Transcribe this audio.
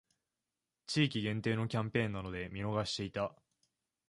地域限定のキャンペーンなので見逃していた